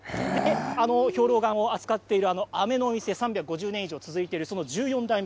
兵糧丸を扱っているあめの店３５０年以上続いている１４代目